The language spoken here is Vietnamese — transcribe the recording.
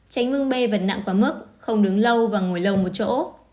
tránh vương b vật nặng quá mức không đứng lâu và ngồi lâu một chỗ